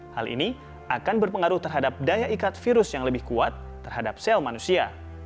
hal ini akan berpengaruh terhadap daya ikat virus yang lebih kuat terhadap sel manusia